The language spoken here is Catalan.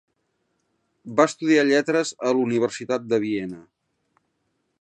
Va estudiar lletres a la Universitat de Viena.